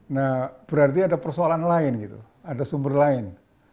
nah berarti ada persoalan lain gitu ada sumber lain